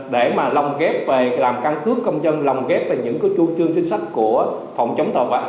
để mà lòng ghép về làm căn cướp công dân lòng ghép về những cái chuông chương sinh sách của phòng chống tội phạm